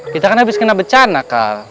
kita kan habis kena becana